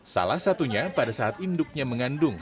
salah satunya pada saat induknya mengandung